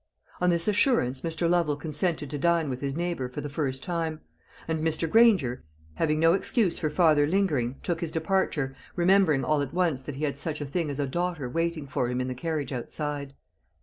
On this assurance Mr. Lovel consented to dine with his neighbour for the first time; and Mr. Granger, having no excuse for farther lingering, took his departure, remembering all at once that he had such a thing as a daughter waiting for him in the carriage outside.